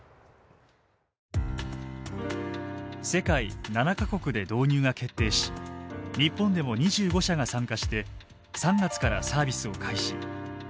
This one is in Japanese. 世界７か国で導入が決定し日本でも２５社が参加して３月からサービスを開始。